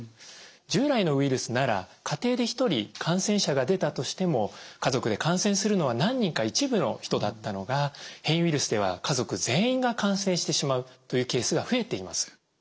従来のウイルスなら家庭で一人感染者が出たとしても家族で感染するのは何人か一部の人だったのが変異ウイルスでは家族全員が感染してしまうというケースが増えています。